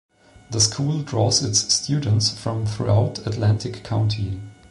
The school draws its students from throughout Atlantic County.